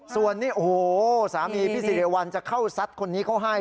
ส่วนนี้โอ้โหสามีพี่สิริวัลจะเข้าซัดคนนี้เขาให้